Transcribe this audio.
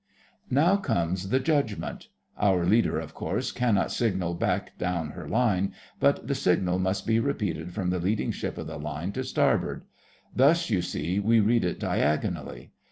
Now comes the judgment! Our leader, of course, cannot signal back down her line, but the signal must be repeated from the leading ship of the line to starboard. Thus, you see, we read it diagonally.